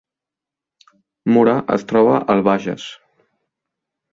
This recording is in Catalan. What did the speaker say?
Mura es troba al Bages